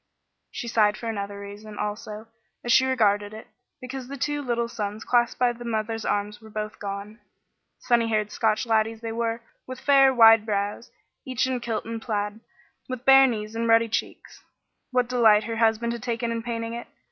She sighed for another reason, also, as she regarded it: because the two little sons clasped by the mother's arms were both gone. Sunny haired Scotch laddies they were, with fair, wide brows, each in kilt and plaid, with bare knees and ruddy cheeks. What delight her husband had taken in painting it!